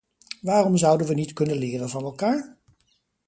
Waarom zouden we niet kunnen leren van elkaar?